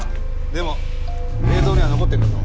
でも映像には残ってんだぞ？